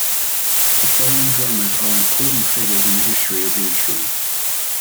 The following drummers are important figures in the history of the instrument.